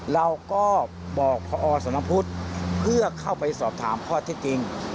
เราก็บอกพศนพุทธเพื่อเข้าไปสอบถามข้อเท็จจริง